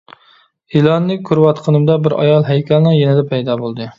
ئېلاننى كۆرۈۋاتقىنىمدا بىر ئايال ھەيكەلنىڭ يېنىدا پەيدا بولدى.